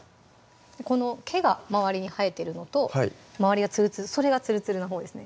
この毛が周りに生えてるのと周りがつるつるそれがつるつるのほうですね